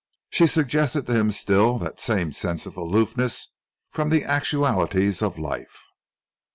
She suggested to him still that same sense of aloofness from the actualities of life.